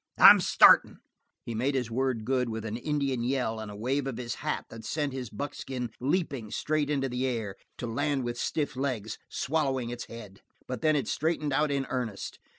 I'm startin!" He made his word good with an Indian yell and a wave of his hat that sent his buckskin leaping straight into the air, to land with stiff legs, "swallowing its head," but then it straightened out in earnest.